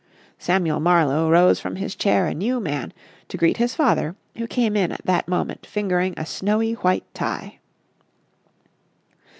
Samuel Marlowe rose from his chair a new man, to greet his father, who came in at that moment fingering a snowy white tie.